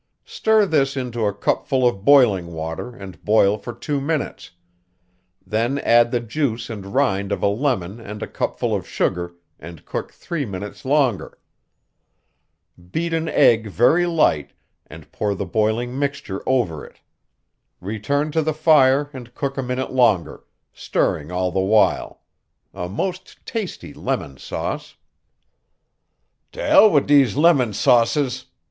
Stir this into a cupful of boiling water, and boil for two minutes; then add the juice and rind of a lemon and a cupful of sugar, and cook three minutes longer. Beat an egg very light, and pour the boiling mixture over it. Return to the fire and cook a minute longer, stirring all the while a most tasty lemon sauce" "T' 'ell wit' these limon sauces!"